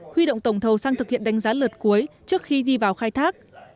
huy động tổng thầu sang thực hiện đánh giá lượt cuối trước khi đi vào khai thác